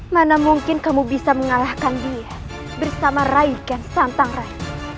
mana mungkin kamu bisa mengalahkan dia bersama rai kan santang rai